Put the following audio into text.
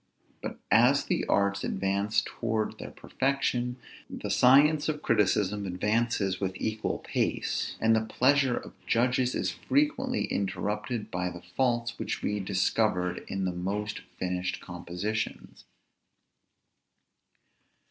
But as the arts advance towards their perfection, the science of criticism advances with equal pace, and the pleasure of judges is frequently interrupted by the faults which we discovered in the most finished compositions.